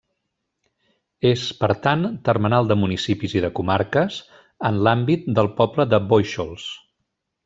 És, per tant, termenal de municipis i de comarques, en l'àmbit del poble de Bóixols.